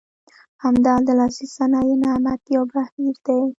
همدا د لاسي صنایع صنعت یو بهیر دی.